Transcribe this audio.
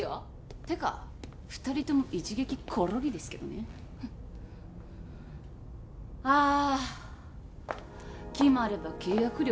ってか二人とも一撃コロリですけどねあっ決まれば契約料